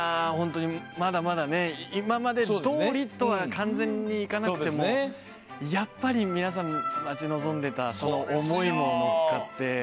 まだまだ今までどおりとは完全にいかなくてもやっぱり、皆さん待ち望んでいた思いも乗っかって。